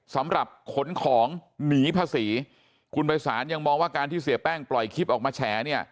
สำหรับขนของหนีภาษีคุณภัยศาลยังมองว่าการที่เสียแป้งปล่อยคลิปออกมาแฉเนี่ย